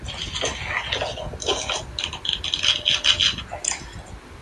Conocemos muy poco de la religión de estos pueblos.